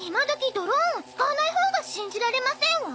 ドローンを使わないほうが信じられませんわ。